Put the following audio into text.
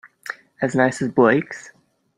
As nice as Blake's?